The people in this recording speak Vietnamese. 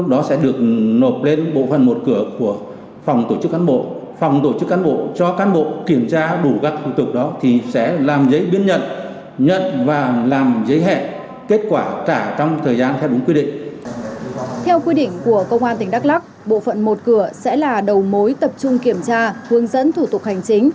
theo quy định của công an tỉnh đắk lắc bộ phận một cửa sẽ là đầu mối tập trung kiểm tra hướng dẫn thủ tục hành chính